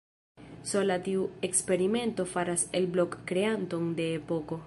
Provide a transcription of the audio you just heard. Sola tiu eksperimento faras el Blok kreanton de epoko.